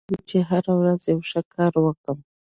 زه هڅه کوم، چي هره ورځ یو ښه کار وکم.